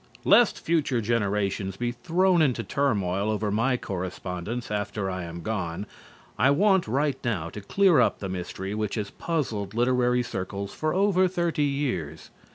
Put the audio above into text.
Lest future generations be thrown into turmoil over my correspondence after I am gone, I want right now to clear up the mystery which has puzzled literary circles for over thirty years.